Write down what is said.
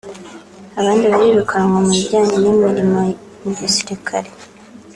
abandi barirukanwa mu bijyanye n’imirimo mu gisirikare